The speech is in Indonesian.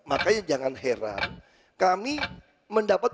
makanya jangan heran kami mendapat